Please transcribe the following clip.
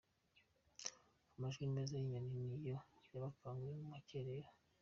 Amajwi meza y’inyoni niyo yabakanguye mu cya kare.